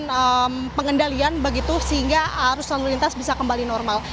dan juga melakukan pengendalian begitu sehingga arus lalu lintas bisa kembali normal